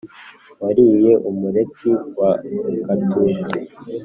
wariye umuleti wa gatutsi,